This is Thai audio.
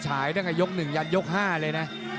ชายตั้งแต่ยกหนึ่งยันยกห้าเลยน่ะ